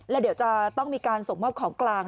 แล้วเดี๋ยวจะต้องมีการส่งมอบของกลาง